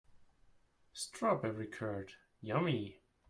Strawberry curd, yummy!